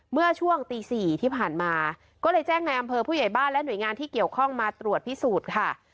เมื่อช่วงตี๔ที่ผ่านมาก็เลยแจ้งในอำเภอผู้ใหญ่บ้านและหน่วยงานที่เกี่ยวข้องมาตรวจพิสูจน์ค่ะ